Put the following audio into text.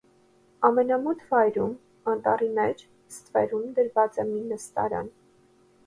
Ամենամութ վայրում, անտառի մեջ, ստվերում դրված է մի նստարան։